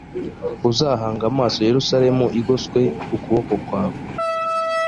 uzahanga amaso yerusalemu igoswe e ukuboko kwawe